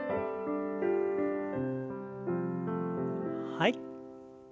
はい。